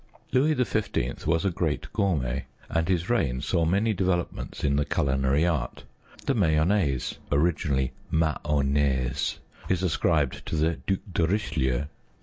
Louis XV. was a great gourmet; and his reign saw many developments in the culinary art. The mayonnaise (originally mahonnaise) is ascribed to the due de Richelieu.